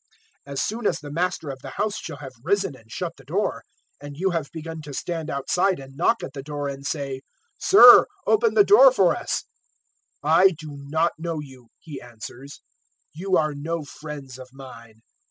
013:025 As soon as the Master of the house shall have risen and shut the door, and you have begun to stand outside and knock at the door and say, "`Sir, open the door for us' "`I do not know you,' He answers; `you are no friends of mine.'